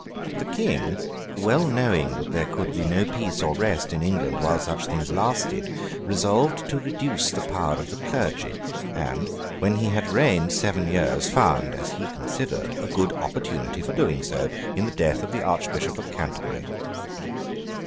The King, well knowing that there could be no peace or rest in England while such things lasted, resolved to reduce the power of the clergy; and, when he had reigned seven years, found (as he considered) a good opportunity for doing so, in the death of the Archbishop of Canterbury.